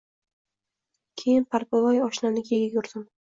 Keyin Parpivoy oshnamnikiga yugurdim